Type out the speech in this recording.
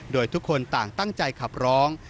โดยทุกคนต่างตั้งใจขับร้อง